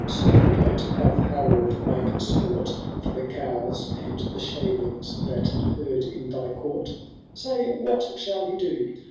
Sir Prelate, have Harold make sport For the cowls and the shavelings that herd in thy court .' Say what shall he do